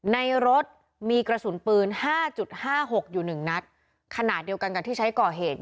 ในรถมีกระสุนปืนห้าจุดห้าหกอยู่หนึ่งนัดขณะเดียวกันกับที่ใช้ก่อเหตุ